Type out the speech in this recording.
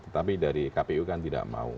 tapi dari kpu kan tidak mau